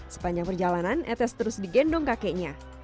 sepanjang perjalanan etes terus digendong kakeknya